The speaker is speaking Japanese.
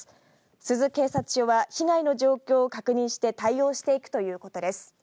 珠洲警察署は被害の状況を確認して対応していくということです。